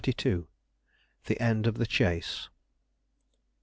THE END OF THE CHASE.